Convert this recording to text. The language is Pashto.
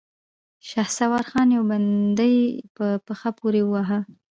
شهسوار خان يو بندي په پښه پورې واهه.